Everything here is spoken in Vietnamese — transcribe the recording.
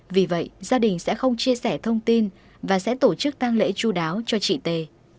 vì vậy gia đình sẽ không chia sẻ thông tin và sẽ tổ chức tăng lễ chú đáo cho chị t